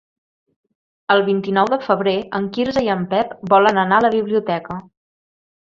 El vint-i-nou de febrer en Quirze i en Pep volen anar a la biblioteca.